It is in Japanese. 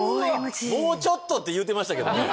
「もうちょっと」言うてましたけど。